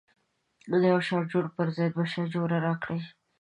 د یوه شاجور پر ځای دوه شاجوره راکړي.